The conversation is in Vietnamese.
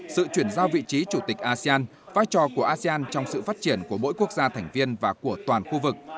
sự chuyển giao vị trí chủ tịch asean vai trò của asean trong sự phát triển của mỗi quốc gia thành viên và của toàn khu vực